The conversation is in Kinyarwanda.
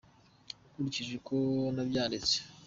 nkurikije uko nabyanditse.